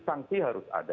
sanksi harus ada